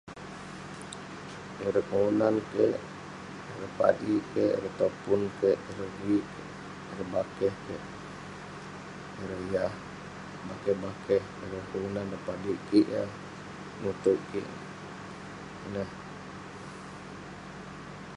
Ireh kelunan kek, ireh padik kek, ireh topun kek, ireh vik kek, ireh bakeh kek, ireh yah bakeh bakeh ireh kelunan ireh padik kik yah nutouk kik. Ineh.